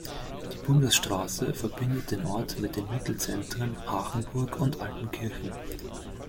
Die Bundesstraße verbindet den Ort mit den Mittelzentren Hachenburg und Altenkirchen.